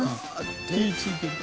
火ついてる。